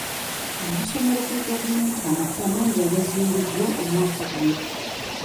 Amasomero ga gavumenti amapya mangi agazimbiddwa omwaka guno.